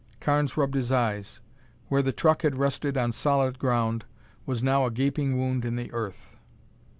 Carnes rubbed his eyes. Where the truck had rested on solid ground was now a gaping wound in the earth.